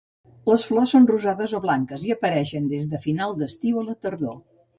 Les flors són rosades o blanques i apareixen des de final d'estiu a la tardor.